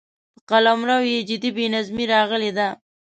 په قلمرو کې جدي بې نظمي راغلې ده.